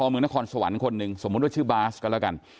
เมืองนครสวรรค์คนหนึ่งสมมุติว่าชื่อบาสก็แล้วกัน